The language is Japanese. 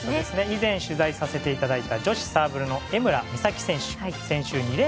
以前取材させていたただいた女子サーブルの江村美咲選手。